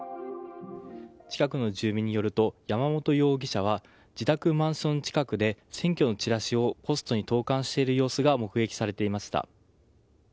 近くの住民によると山本容疑者は自宅マンション近くで選挙のチラシをポストに投函している様子が目撃されていました。